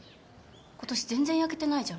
今年全然焼けてないじゃん。